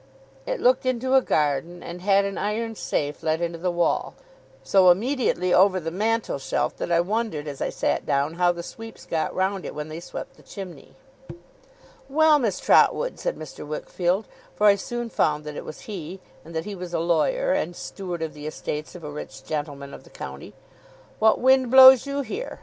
It looked into a garden, and had an iron safe let into the wall; so immediately over the mantelshelf, that I wondered, as I sat down, how the sweeps got round it when they swept the chimney. 'Well, Miss Trotwood,' said Mr. Wickfield; for I soon found that it was he, and that he was a lawyer, and steward of the estates of a rich gentleman of the county; 'what wind blows you here?